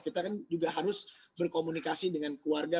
kita kan juga harus berkomunikasi dengan keluarga